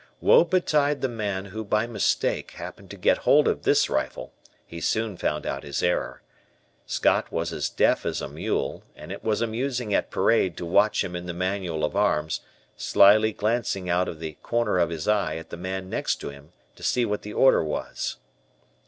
Woe betide the man, who by mistake, happened to get hold of this rifle; he soon found out his error. Scott was as deaf as a mule, and it was amusing at parade to watch him in the manual of arms, slyly glancing out of the corner of his eye at the man next to him to see what the order was.